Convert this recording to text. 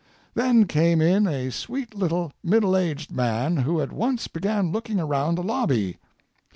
Then came in a sweet little middle aged man, who at once began looking around the lobby.